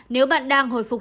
nếu bạn đang hồi phục